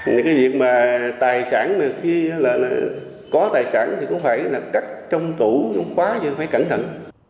những cái việc mà tài sản mà khi có tài sản thì cũng phải cắt trong tủ khóa cho phải cẩn thận